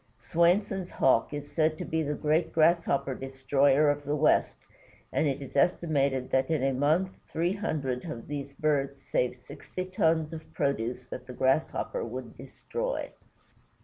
Swainson's Hawk is said to be the great Grasshopper destroyer of the west, and it is estimated that in a month three hundred of these birds save sixty tons of produce that the Grasshopper would destroy.